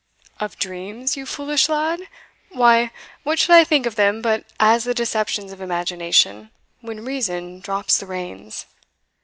"Of dreams, you foolish lad! why, what should I think of them but as the deceptions of imagination when reason drops the reins?